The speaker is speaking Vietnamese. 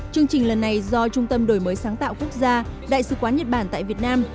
chương trình lần này do trung tâm đổi mới sáng tạo quốc gia đại sứ quán nhật bản tại việt nam